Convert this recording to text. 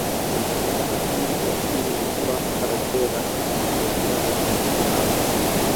Inawezekana hii kiasili ilikuwa kaldera iliyojaa lava